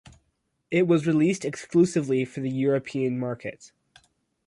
It was released exclusively for the European market.